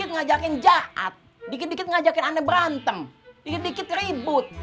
nanti dikit ribut